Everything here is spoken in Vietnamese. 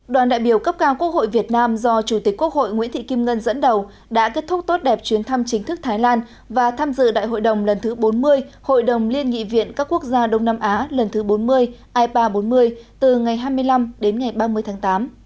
đoàn đại biểu cấp cao quốc hội việt nam do chủ tịch quốc hội nguyễn thị kim ngân dẫn đầu đã kết thúc tốt đẹp chuyến thăm chính thức thái lan và tham dự đại hội đồng lần thứ bốn mươi hội đồng liên nghị viện các quốc gia đông nam á lần thứ bốn mươi ipa bốn mươi từ ngày hai mươi năm đến ngày ba mươi tháng tám